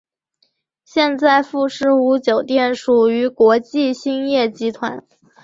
现在富士屋酒店属于国际兴业集团。